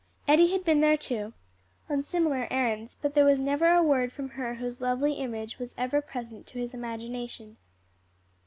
Eddie had been there, too, on similar errands; but there was never a word from her whose lovely image was ever present to his imagination.